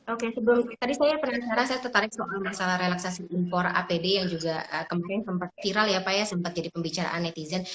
oke sebelum tadi saya penasaran saya tertarik soal masalah relaksasi impor apd yang juga kemarin sempat viral ya pak ya sempat jadi pembicaraan netizen